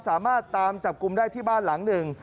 สามารถตามจับกลุ่มได้ที่บ้านหลังหนึ่ง